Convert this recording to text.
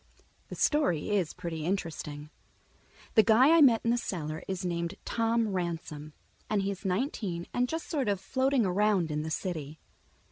The story is pretty interesting. The guy I met in the cellar is named Tom Ransom, and he is nineteen and just sort of floating around in the city.